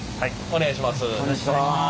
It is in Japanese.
お願いします。